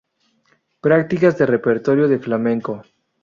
Prácticas de Repertorio de Flamenco.